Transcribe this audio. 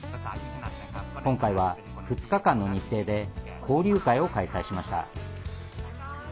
今回は、２日間の日程で交流会を開催しました。